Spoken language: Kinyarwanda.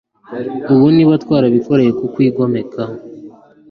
ubu niba twarabikoreye kukwigomekaho